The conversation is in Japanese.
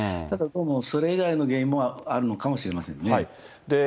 ただ、どうもそれ以外の原因もあるのかもしれませんね。